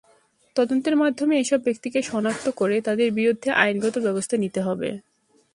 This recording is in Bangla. তদন্তের মাধ্যমে এসব ব্যক্তিকে শনাক্ত করে তাঁদের বিরুদ্ধে আইনগত ব্যবস্থা নিতে হবে।